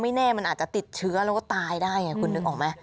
แน่มันอาจจะติดเชื้อแล้วก็ตายได้ไงคุณนึกออกไหม